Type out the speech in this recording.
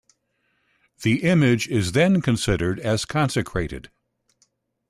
The image is then considered as consecrated.